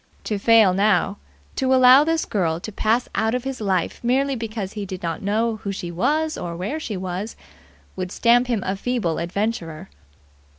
To fail now, to allow this girl to pass out of his life merely because he did not know who she was or where she was, would stamp him a feeble adventurer.